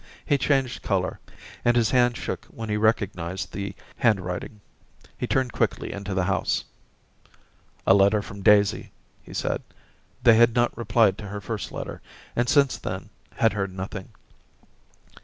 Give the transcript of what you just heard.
He changed colour and his hand shook when he recognised the handwriting. He turned quickly into the house. * A letter from Daisy,' he said. They had not replied to her first letter, and since then had heard nothing.